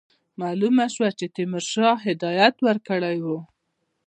معلومه شوه چې تیمورشاه هدایت ورکړی وو.